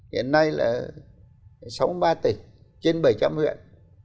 hiện nay là sáu mươi ba tỉnh trên bảy trăm linh huyện